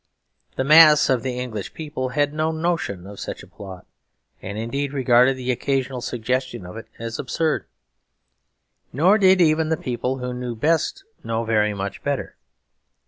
The mass of the English people had no notion of such a plot; and indeed regarded the occasional suggestion of it as absurd. Nor did even the people who knew best know very much better.